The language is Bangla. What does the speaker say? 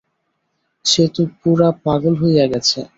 সে তো পুরা পাগল হইয়া গেছে।